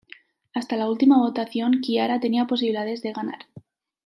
Hasta la última votación Chiara tenía posibilidades de ganar.